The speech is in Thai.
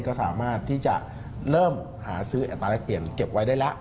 ก็สามารถที่จะเริ่มหาซื้ออัตราแรกเปลี่ยนเก็บไว้ได้แล้ว